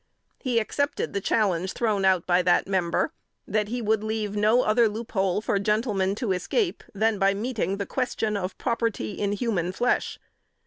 He accepted the challenge thrown out by that member, that he would leave no other loop hole for gentlemen to escape, than by meeting the question of property in human flesh.